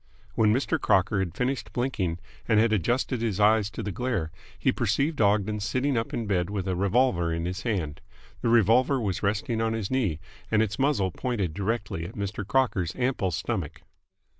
When Mr. Crocker had finished blinking and had adjusted his eyes to the glare, he perceived Ogden sitting up in bed with a revolver in his hand. The revolver was resting on his knee, and its muzzle pointed directly at Mr. Crocker's ample stomach.